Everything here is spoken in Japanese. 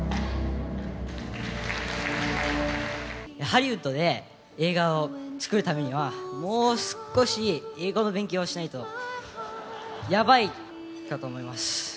ハリウッドで映画を作るためには、もう少し英語の勉強をしないと、やばいかと思います。